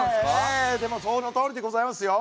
ええでもそのとおりでございますよ。